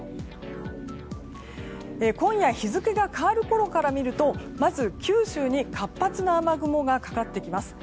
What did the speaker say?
今夜日付が変わるころから見るとまず、九州に活発な雨雲がかかってきます。